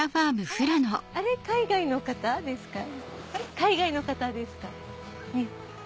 海外の方ですか？